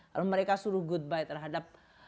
kalau mereka suruh goodbye terhadap